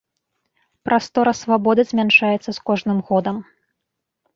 Прастора свабоды змяншаецца з кожным годам.